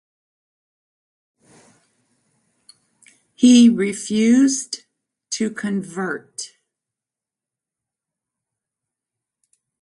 He refused to convert.